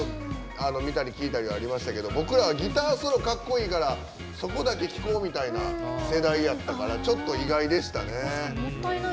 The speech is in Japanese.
見たり聞いたりはありましたけど僕らはギターソロかっこいいからそこだけ聴こうみたいな世代やったからちょっと意外でしたね。